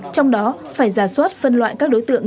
trong đó phải giả soát phân loại các đối tượng